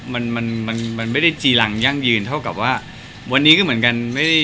มันมันไม่ได้จีรังยั่งยืนเท่ากับว่าวันนี้ก็เหมือนกันไม่ได้